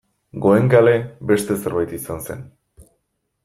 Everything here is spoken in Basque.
Goenkale beste zerbait izan zen.